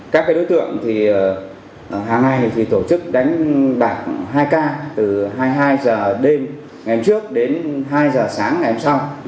các đối tượng hàng ngày tổ chức đánh bạc hai ca từ hai mươi hai h đêm ngày hôm trước đến hai h sáng ngày hôm sau